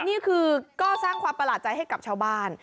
นี่คือก็สร้างความประหลาดใจให้กับชาวบ้าน